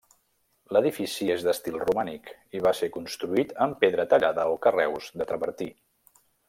L'edifici és d'estil romànic i va ser construït amb pedra tallada o carreus de travertí.